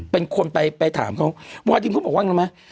เป็นคนไปถามเขาวาดิมเขาบอกว่าอย่างนั้นไหม